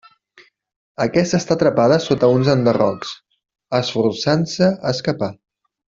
Aquesta està atrapada sota uns enderrocs, esforçant-se a escapar.